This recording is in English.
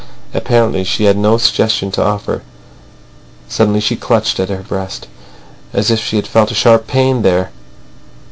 Apparently she had no suggestion to offer. Suddenly she clutched at her breast, as if she had felt a sharp pain there.